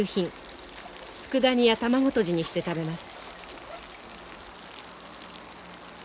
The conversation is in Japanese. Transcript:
つくだ煮や卵とじにして食べます。